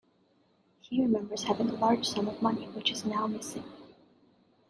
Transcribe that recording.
He remembers having a large sum of money, which is now missing.